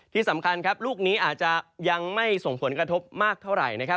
ที่สำคัญลูกนี้อาจจะยังไม่ส่งผลกระทบมากเท่าไหร่